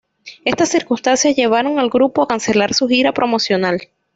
Estas circunstancias llevaron al grupo a cancelar su gira promocional.